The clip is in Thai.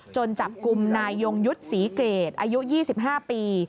จนจับกุมนายยุทธ์ศรีเกรดอายุ๒๕ปี